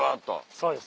そうです